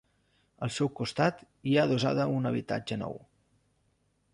Al seu costat hi ha adossada un habitatge nou.